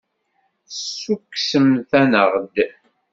Tessukksemt-aneɣ-d.